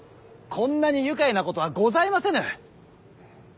こんなに愉快なことはございませぬ。